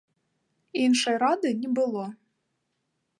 Іншай рады не было.